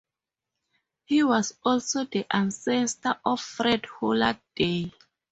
He was also the ancestor of Fred Holland Day.